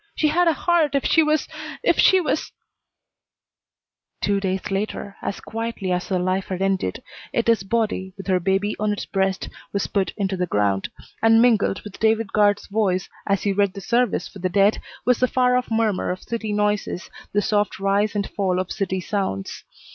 She had a heart if she was if she was " Two days later, as quietly as her life had ended, Etta's body, with her baby on its breast, was put into the ground, and mingled with David Guard's voice as he read the service for the dead was the far off murmur of city noises, the soft rise and fall of city sounds.